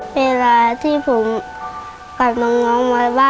เวลาที่ผมกลับมาง้องบ้านตรงนี้